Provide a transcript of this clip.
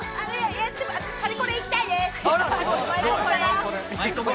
パリコレ行きたいです。